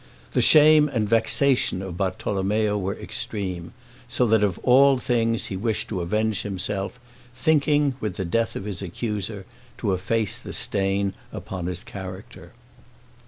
The shame and vexation of Bartolommeo were extreme, so that of all things he wished to avenge himself, thinking, with the death of his accuser, to efface the stain upon his character.